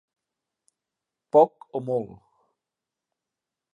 Poc o molt.